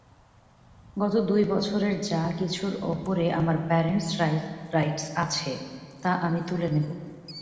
গত দুই বছরের যা কিছুর ওপরে আমার প্যাটেন্ট রাইটস আছে তা আমি তুলে নেবো।